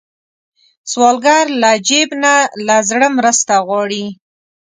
سوالګر له جیب نه، له زړه مرسته غواړي